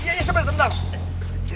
iya iya cepetan